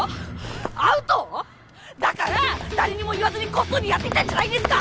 だから誰にも言わずにこっそりやってきたんじゃないですか！